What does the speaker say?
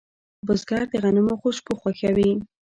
بزګر د غنمو خوشبو خوښوي